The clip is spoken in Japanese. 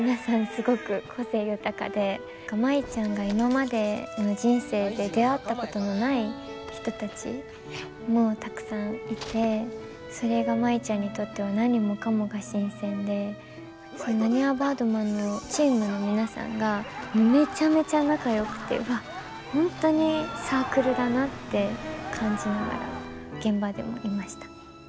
すごく個性豊かで舞ちゃんが今までの人生で出会ったことのない人たちもたくさんいてそれが舞ちゃんにとっては何もかもが新鮮でなにわバードマンのチームの皆さんがめちゃめちゃ仲良くて本当にサークルだなって感じながら現場でもいました。